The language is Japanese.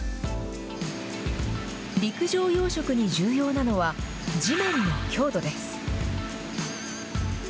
陸上養殖に重要なのは、地面の強度です。